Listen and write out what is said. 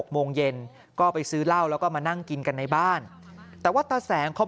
โมงเย็นก็ไปซื้อเหล้าแล้วก็มานั่งกินกันในบ้านแต่ว่าตาแสงเขา